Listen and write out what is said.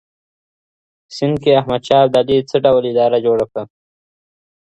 سیند کي احمد شاه ابدالي څه ډول اداره جوړه کړه؟